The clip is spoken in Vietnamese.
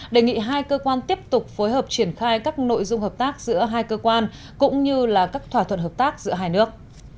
đề nghị hai cơ quan tiếp tục phối hợp triển khai các nội dung hợp tác giữa hai cơ quan cũng như là các thỏa thuận hợp tác giữa hai nước